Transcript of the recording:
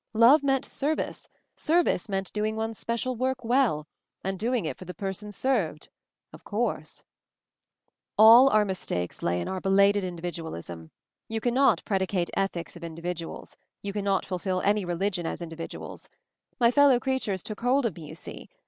Love meant service, service meant doing one's special work well, and doing it for the per sons served — of course ! "All our mistakes lay in our helated In dividualism. You cannot predicate Ethics of individuals ; you cannot fulfill any religion as individuals. My fellow creatures took hold of me, you see.